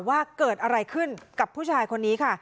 ว่าเกิดอะไรขึ้นกับผู้ชายคนนี้ค่ะ